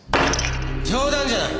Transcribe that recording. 冗談じゃない！